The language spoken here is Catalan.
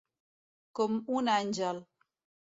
Com un àngel.